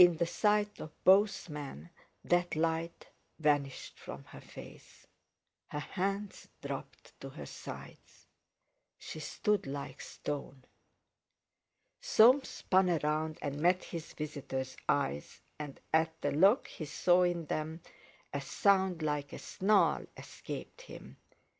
In the sight of both men that light vanished from her face; her hands dropped to her sides; she stood like stone. Soames spun round, and met his visitor's eyes, and at the look he saw in them, a sound like a snarl escaped him.